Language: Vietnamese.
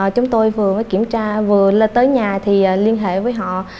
chúng tôi vừa mới kiểm tra vừa lên tới nhà thì liên hệ với họ